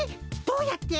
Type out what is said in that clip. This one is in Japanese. どうやって？